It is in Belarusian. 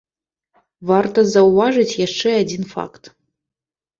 Варта заўважыць яшчэ адзін факт.